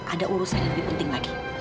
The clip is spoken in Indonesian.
ada urusan yang lebih penting lagi